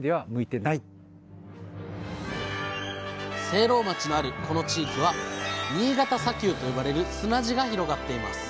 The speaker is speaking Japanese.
聖籠町のあるこの地域は新潟砂丘と呼ばれる砂地が広がっています。